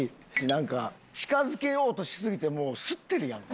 なんか近付けようとしすぎてもうすってるやん。